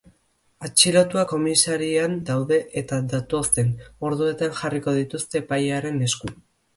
Atxilotuak komisarian daude eta datozen orduetan jarriko dituzte epailearen esku.